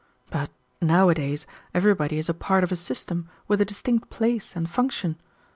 But nowadays everybody is a part of a system with a distinct place and function.